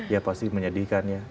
ya pasti menyedihkan ya